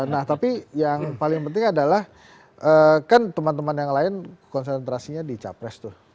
nah tapi yang paling penting adalah kan teman teman yang lain konsentrasinya di capres tuh